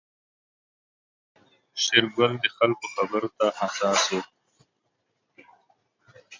شېرګل د خلکو خبرو ته حساس و.